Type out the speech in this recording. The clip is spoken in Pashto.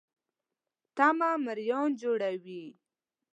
تمه مریان جوړوي.